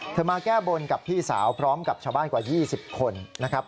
มาแก้บนกับพี่สาวพร้อมกับชาวบ้านกว่า๒๐คนนะครับ